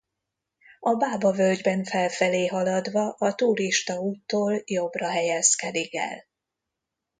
A Bába-völgyben felfelé haladva a turistaúttól jobbra helyezkedik el.